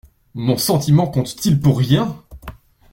Mon sentiment compte-t-il pour rien?